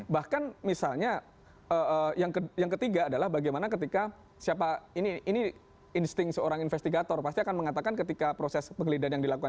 bahkan misalnya yang ketiga adalah bagaimana ketika siapa ini insting seorang investigator pasti akan mengatakan ketika proses penggeledahan yang dilakukan